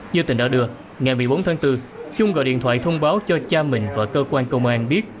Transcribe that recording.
như tình đã đưa ngày một mươi bốn tháng bốn trung gọi điện thoại thông báo cho cha mình và cơ quan công an biết